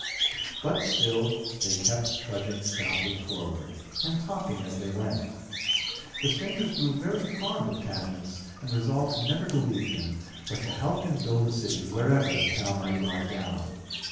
But still they kept trudging stoutly forward, and talking as they went. The strangers grew very fond of Cadmus, and resolved never to leave him, but to help him build a city wherever the cow might lie down.